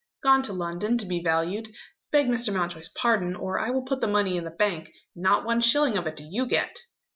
"Gone to London to be valued. Beg Mr. Mountjoy's pardon, or I will put the money in the bank and not one shilling of it do you get."